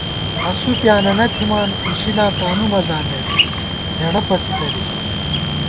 اسُو پیانَنہ تھِمان، اِشِلا تانُو مَزانېس ہېڑہ پڅِی دَلِسہ